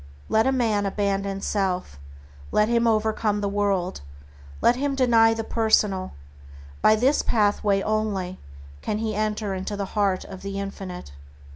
Let a man abandon self, let him overcome the world, let him deny the personal; by this pathway only can he enter into the heart of the Infinite.